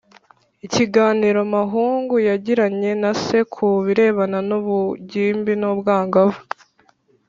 ikiganiro Mahungu yagiranye na se ku birebana n ubugimbi n ubwangavu